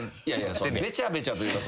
べちゃべちゃというか。